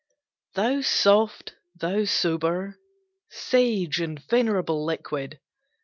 H. Thou soft, thou sober, sage, and venerable liquid!